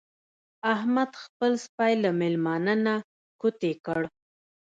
احمد خپل سپی له مېلمانه نه کوتې کړ.